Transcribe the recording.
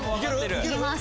いけます。